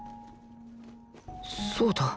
そうだ